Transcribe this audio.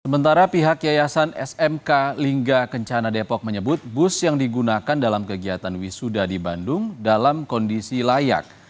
sementara pihak yayasan smk lingga kencana depok menyebut bus yang digunakan dalam kegiatan wisuda di bandung dalam kondisi layak